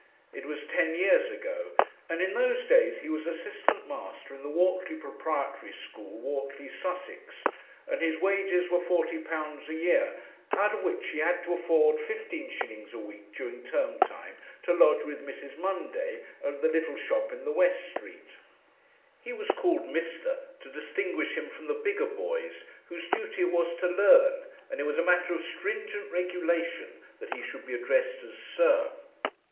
It was ten years ago, and in those days he was assistant master in the Whortley Proprietary School, Whortley, Sussex, and his wages were forty pounds a year, out of which he had to afford fifteen shillings a week during term time to lodge with Mrs. Munday, at the little shop in the West Street. He was called "Mr." to distinguish him from the bigger boys, whose duty it was to learn, and it was a matter of stringent regulation that he should be addressed as "Sir."